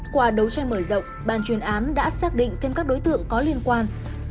qua đấu tranh mở rộng ban chuyên án đã xác định thêm các đối tượng có liên quan